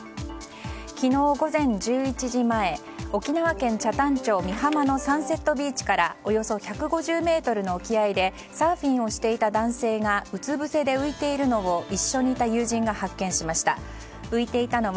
昨日午前１１時前沖縄県北谷町美浜のサンセットビーチからおよそ１５０ｍの沖合でサーフィンをしていた男性がうつぶせで浮いているのを一緒にいた友人が発見しました。